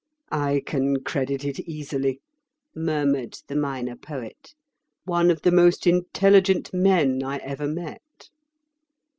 "I can credit it easily," murmured the Minor Poet. "One of the most intelligent men I ever met."